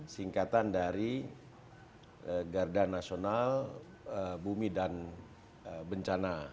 singkatan dari garda nasional bumi dan bencana